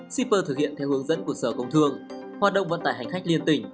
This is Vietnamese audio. tp hcm thực hiện theo hướng dẫn của sở công thương hoạt động vận tải hành khách liên tỉnh